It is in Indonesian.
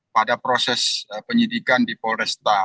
pada proses penyidikan di polres jawa barat